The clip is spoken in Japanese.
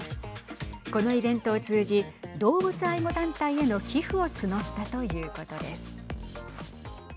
このイベントを通じ動物愛護団体への寄付を募ったということです。